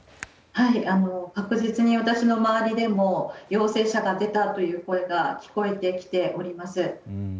確実に私の周りでも陽性者が出たという声が聞こえてきております。